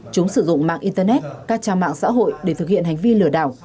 chúng sử dụng mạng internet các trang mạng xã hội để thực hiện hành vi lừa đảo